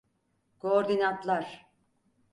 Koordinatlar.